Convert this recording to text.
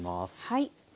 はい。